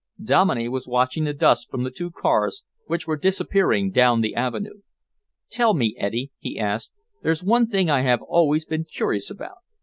Dominey was watching the dust from the two cars which were disappearing down the avenue. "Tell me, Eddy," he asked, "there's one thing I have always been curious about.